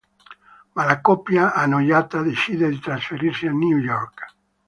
Ma la coppia, annoiata, decide di trasferirsi a New York.